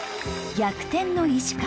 逆転の石川。